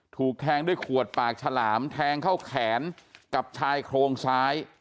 ถูกแทงด้วยขวดปากฉลามแทงเข้าแขนกับชายโครงซ้าย